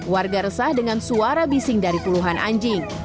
warga resah dengan suara bising dari puluhan anjing